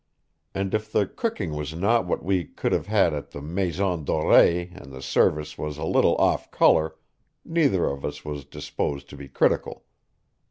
And if the cooking was not what we could have had at the Maison Dorée and the service was a little off color, neither of us was disposed to be critical.